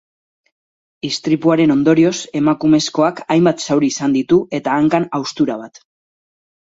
Istripuaren ondorioz, emakumezkoak hainbat zauri izan ditu, eta hankan haustura bat.